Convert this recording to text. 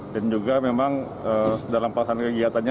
dan juga memang dalam pasangan kegiatannya